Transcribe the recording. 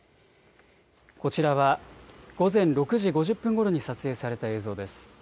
こちらは午前６時５０分ごろに撮影された映像です。